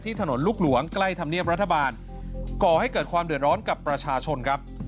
ถนนลูกหลวงใกล้ธรรมเนียบรัฐบาลก่อให้เกิดความเดือดร้อนกับประชาชนครับ